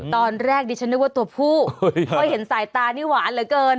ตอนแรกดิฉันนึกว่าตัวผู้เพราะเห็นสายตานี่หวานเหลือเกิน